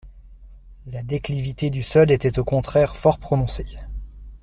La déclivité du sol était, au contraire, fort prononcée.